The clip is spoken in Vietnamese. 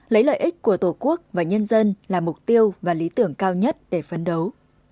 lấy lợi ích của tổ quốc và nhân dân là mục tiêu và lý tưởng cao nhất để phấn đấu